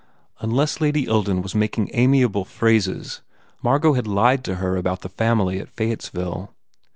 Unless Lady Ilden was making amiable phrases Margot had lied to her about the family at Fayettesville.